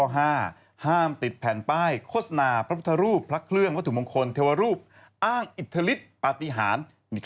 ห้ามติดแผ่นป้ายโฆษณาพระพุทธรูปพระเครื่องวัตถุมงคลเทวรูปอ้างอิทธิฤทธิปฏิหาร